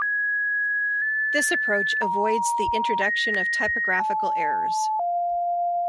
This approach avoids the introduction of typographical errors.